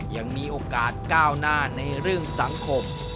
ยังมีโอกาสก้าวหน้าในเรื่องสังคม